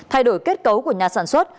thay đổi kết cấu của nhà sản xuất